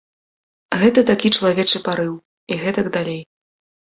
Гэта такі чалавечы парыў і гэтак далей.